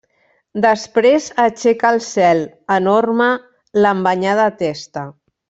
Després aixeca al cel, enorme, l'embanyada testa.